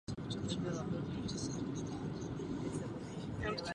Kromě jeho správního obvodu okres obsahuje ještě obvod obce s rozšířenou působností Čáslav.